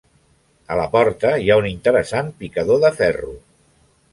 A la porta hi ha un interessant picador de ferro.